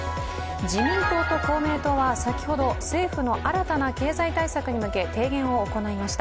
自民党と公明党は先ほど、政府の新たな経済対策に向け提言を行いました。